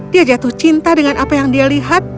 dia jatuh cinta dengan apa yang dia lihat